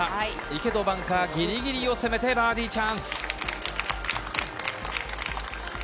池とバンカー、ギリギリを攻めてバーディーチャンス。